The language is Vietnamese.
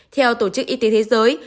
theo tổ chức y tế thế giới